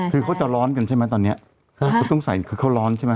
คือเค้าจะร้อนกันใช่ไหมตอนเนี้ยเค้าต้องใส่เค้าวร้อนใช่มั้ย